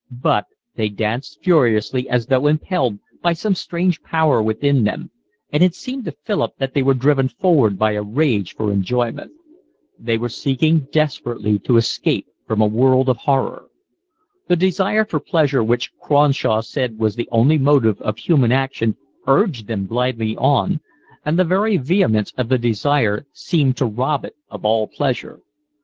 But they danced furiously as though impelled by some strange power within them, and it seemed to Philip that they were driven forward by a rage for enjoyment. They were seeking desperately to escape from a world of horror. The desire for pleasure which Cronshaw said was the only motive of human action urged them blindly on, and the very vehemence of the desire seemed to rob it of all pleasure.